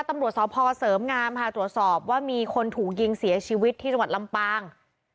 ตำรวจสพเสริมงามค่ะตรวจสอบว่ามีคนถูกยิงเสียชีวิตที่จังหวัดลำปาง